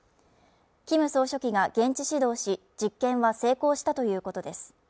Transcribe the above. キム総書記が現地指導し実験は成功したということです